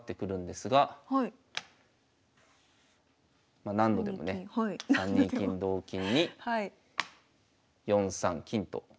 まあ何度でもね３二金同銀に４三金と。